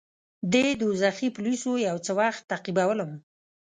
دې دوږخي پولیسو یو څه وخت تعقیبولم.